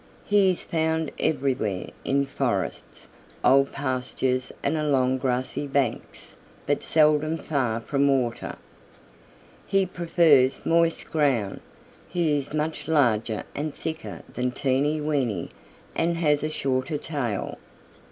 He is found everywhere, in forests, old pastures and along grassy banks, but seldom far from water. He prefers moist ground. He is much larger and thicker than Teeny Weeny and has a shorter tail.